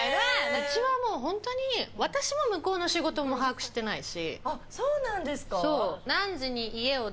うちは本当に私も向こうの仕事を把握してないし。